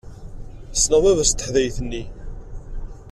Sneɣ baba-s n teḥdayt-nni.